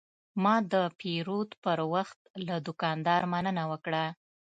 ما د پیرود پر وخت له دوکاندار مننه وکړه.